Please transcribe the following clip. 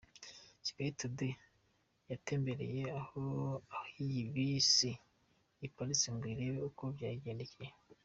Kigali Today yatembereye aho iyi bisi iparitse ngo irebe uko byayigendekeye.